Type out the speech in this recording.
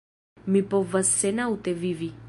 Mi povas senaŭte vivi.